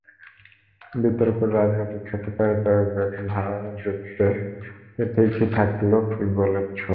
বিতর্ক রাজনৈতিক হতে পারে, তবে বেকহামের যুক্তিতে ঠিকই থাকল ফুটবলের ছোঁয়া।